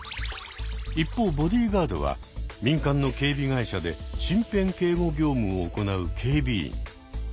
一方ボディーガードは民間の警備会社で身辺警護業務を行う警備員。